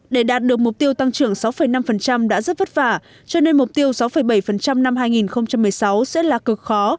để đạt được mục tiêu tăng trưởng sáu năm đã rất vất vả cho nên mục tiêu sáu bảy năm hai nghìn một mươi sáu sẽ là cực khó